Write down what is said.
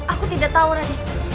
aku tidak tahu raden